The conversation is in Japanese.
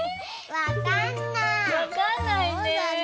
わかんないね。